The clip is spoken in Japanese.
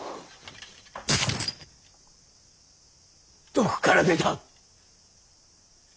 どこから出た！